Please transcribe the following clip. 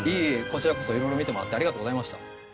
こちらこそ色々見てもらってありがとうございました。